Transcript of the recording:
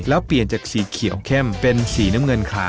แล้วเปลี่ยนจากสีเขียวเข้มเป็นสีน้ำเงินขา